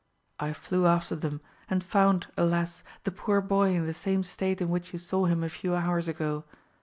I flew after them; and found, alas, the poor boy in the same state in which you saw him a few hours ago.